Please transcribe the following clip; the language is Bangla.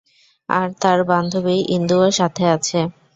আর তার বান্ধবী ইন্দু ও সাথে আছে।